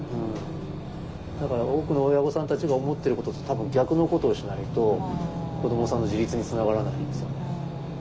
だから多くの親御さんたちが思ってることと多分逆のことをしないと子どもさんの自立につながらないんですよね。